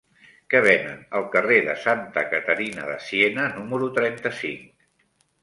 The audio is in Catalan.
Què venen al carrer de Santa Caterina de Siena número trenta-cinc?